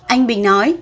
anh bình nói